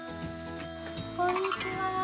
こんにちは。